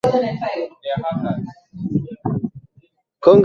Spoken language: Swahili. Apige kila hali, wasiguse tuwainge,